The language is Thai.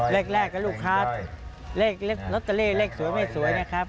เลขแรกก็ลูกค้าเลขลักษณ์ลิงเลขสวยไม่สวยนะครับ